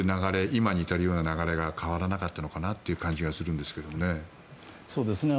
今に至るような流れが変わらなかったのかなという感じがするんですけどね。